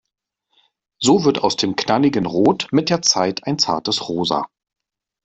So wird aus dem knalligen Rot mit der Zeit ein zartes Rosa.